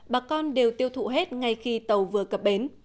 bà con đều tiêu thụ hết ngay khi tàu vừa cập bến